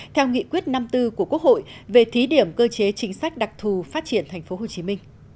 theo nghị quyết năm tư của quốc hội về thí điểm cơ chế chính sách đặc thù phát triển tp hcm